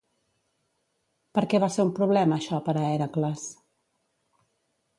Per què va ser un problema això per a Hèracles?